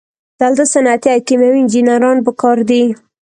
دلته صنعتي او کیمیاوي انجینران پکار دي.